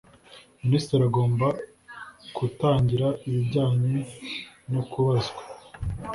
Minisitiri agomba gutangira ibijyanye no kubazwa